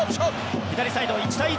左サイド、１対１。